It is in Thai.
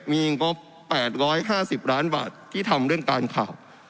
มีงบ๘๕๐ล้านบาทที่ทำเรื่องการข่าว